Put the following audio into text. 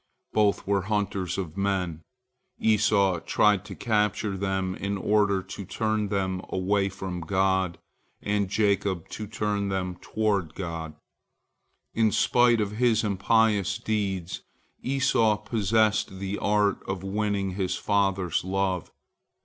Both were hunters of men, Esau tried to capture them in order to turn them away from God, and Jacob, to turn them toward God. In spite of his impious deeds, Esau possessed the art of winning his father's love.